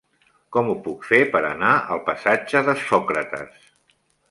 Com ho puc fer per anar al passatge de Sòcrates?